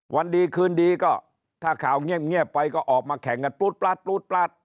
วันดีคืนดีก็ถ้าข่าวเงียบไปก็ออกมาแข่งกันปลูดปลาด